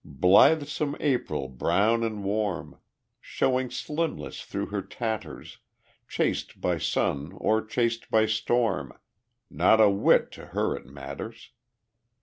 Blithesome April brown and warm, Showing slimness through her tatters, Chased by sun or chased by storm Not a whit to her it matters.